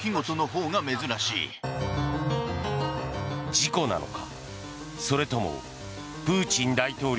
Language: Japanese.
事故なのか。